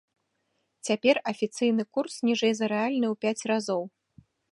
Цяпер афіцыйны курс ніжэй за рэальны ў пяць разоў.